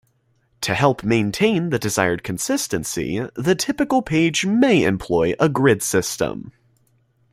To help maintain the desired consistency, the typical page may employ a grid system.